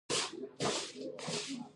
سک او جین مذهبونه هم شته.